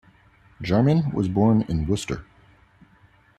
Jarman was born in Worcester.